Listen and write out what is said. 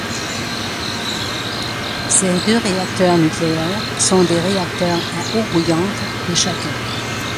Ces deux réacteurs nucléaires sont des réacteurs à eau bouillante de chacun.